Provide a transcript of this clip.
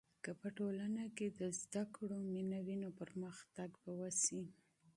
که ټولنې کې د علم مینه وي، نو پرمختګ به وسي.